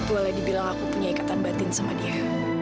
boleh dibilang aku punya ikatan batin sama dia